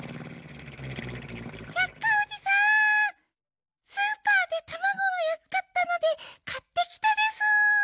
百科おじさんスーパーでたまごがやすかったのでかってきたでスー。